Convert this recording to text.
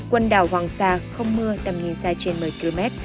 quần đảo hoàng sa không mưa tầm nhìn xa trên một mươi km